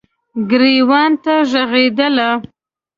ګریوان ته ږغیدله